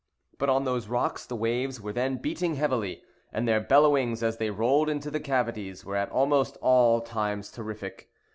But on those rocks the waves were then beating heavily, and their bellowings as they rolled into the cavities were at almost all times terrific.